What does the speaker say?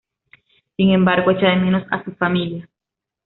Sin embargo, echa de menos a su familia.